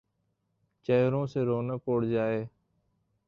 ، چہروں سے رونق اڑ جائے ،